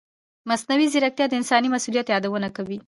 مصنوعي ځیرکتیا د انساني مسؤلیت یادونه کوي.